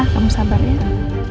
kamu sabar ya